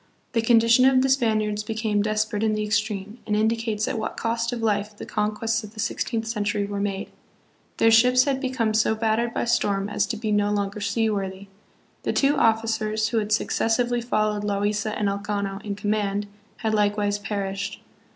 The condition of the Spaniards became desperate in the extreme, and indicates at what cost of life the con quests of the sixteenth century were made. Their ships had become so battered by storm as to be no longer sea worthy. The two officers, who had successively followed Loaisa and Elcano in command, had likewise perished.